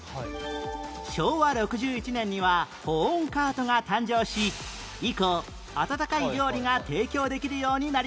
昭和６１年には保温カートが誕生し以降温かい料理が提供できるようになりました